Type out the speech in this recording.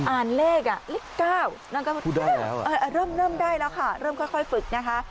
อ่านเลขเลข๙นั่นก็เริ่มได้แล้วค่ะเริ่มค่อยฝึกนะคะ